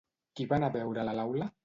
Qui va anar a veure'l a l'aula?